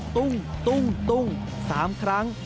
ตุ้งตุ้งตุ้ง๓ครั้ง